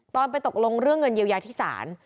ไปตกลงเรื่องเงินเยียวยาที่ศาล